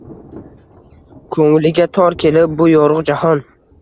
Ko‘ngliga tor kelib bu yorug‘ jahon